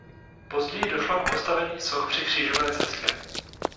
Později došlo k postavení soch při křížové cestě.